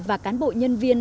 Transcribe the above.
và cán bộ nhân viên